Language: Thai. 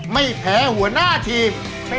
ไม่แพ้หัวหน้าทีม